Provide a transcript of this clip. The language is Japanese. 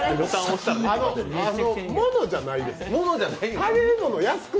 物じゃないです。